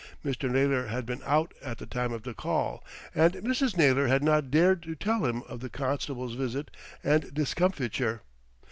Mr. Naylor had been out at the time of the call, and Mrs. Naylor had not dared to tell him of the constable's visit and discomfiture.